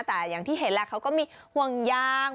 แต่อย่างที่เห็นแหละเขาก็มีห่วงยาง